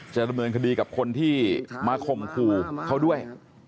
จะดำเนินคดีกับคนที่มาข่มขู่เขาด้วย